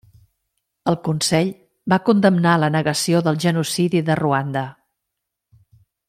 El Consell va condemnar la negació del genocidi de Ruanda.